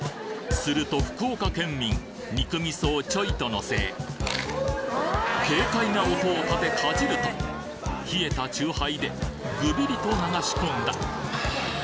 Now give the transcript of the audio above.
すると福岡県民肉味噌をちょいと乗せ軽快な音を立てかじると冷えた酎ハイでグビリと流し込んだ